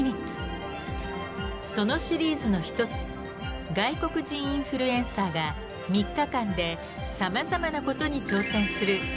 そのシリーズの一つ外国人インフルエンサーが３日間でさまざまなことに挑戦する